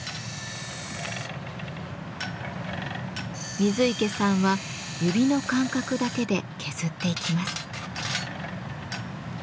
小野さんは指の感覚だけで削っていきます。